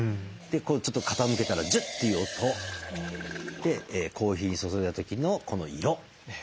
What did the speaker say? ちょっと傾けたらジュッていう音。でコーヒー注いだ時のこの色。